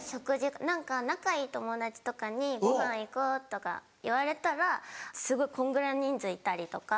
何か仲いい友達とかに「ご飯行こう」とか言われたらすごいこんぐらい人数いたりとか。